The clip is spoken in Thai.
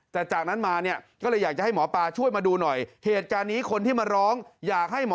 แต่จากนั้นมาเนี่ยก็เลยอยากจะให้หมอปลาช่วยมาดูหน่อย